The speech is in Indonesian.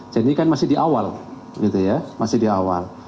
jadi kan masih di awal gitu ya masih di awal